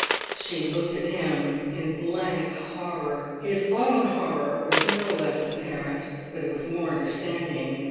She looked at him in blank horror. His own horror was no less apparent, but it was more understanding.